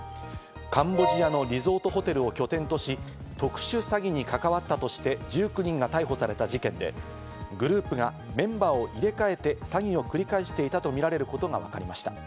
カンボジアのリゾートホテルを拠点とし特殊詐欺に関わったとして１９人が逮捕された事件で、グループがメンバーを入れ替えて詐欺を繰り返していたとみられることがわかりました。